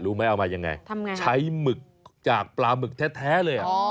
รู้ไหมเอามายังไงทำไงใช้หมึกจากปลาหมึกแท้แท้เลยอ่ะอ๋อ